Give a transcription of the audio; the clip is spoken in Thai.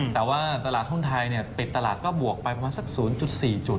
แต่ว่าตลาดหุ้นไทยปิดตลาดก็บวกไปประมาณสัก๐๔จุด